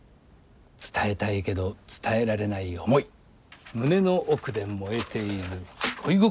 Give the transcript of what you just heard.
伝えたいけど伝えられない思い胸の奥で燃えている恋心。